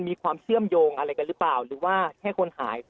มีความเชื่อมโยงอะไรกันหรือเปล่าหรือว่าแค่คนหาย